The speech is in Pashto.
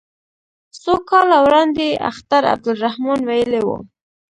څو کاله وړاندې اختر عبدالرحمن ویلي وو.